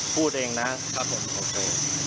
พูดเองนะครับผมโอเค